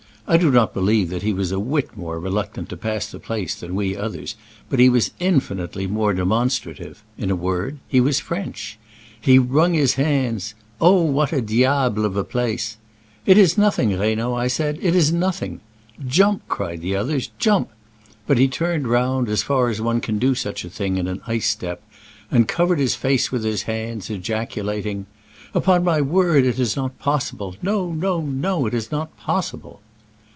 I do upt believe that he was a whit more reluctant to pass the place than we others, but he was infinitely more demonstrative : in a word, he was French. He wrung his hands :Oh what a diable of a place !"It is noth ing, Reynaud," I said, "it is nothing." "Jump !" cried the others, "jump !'* But he turned round, as far as one can do such a thing in an ice step, and covered his face with his hands, ejaculating, " Upon my word, it is not possible. No, no, no ! it is not possible."